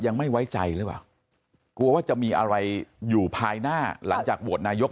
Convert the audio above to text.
ยังไม่ไว้ใจหรือเปล่ากลัวว่าจะมีอะไรอยู่ภายหน้าหลังจากโหวตนายก